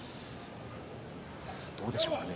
どうでしょうかね